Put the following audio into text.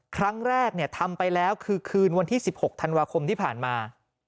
ครั้งแรกทำไปแล้วคือคืนวันที่๑๖ธันวาคมที่ผ่านมา